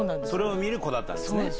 それを見る子だったんですね？